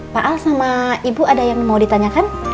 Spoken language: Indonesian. pak al sama ibu ada yang mau ditanyakan